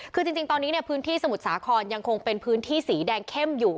คือจริงตอนนี้พื้นที่สมุทรสาครยังคงเป็นพื้นที่สีแดงเข้มอยู่